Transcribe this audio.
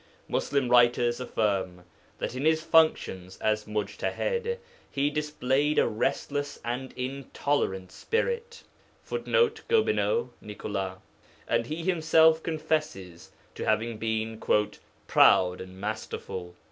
Muslim writers affirm that in his functions of mujtahād he displayed a restless and intolerant spirit, [Footnote: Gobineau; Nicolas.] and he himself confesses to having been 'proud and masterful.'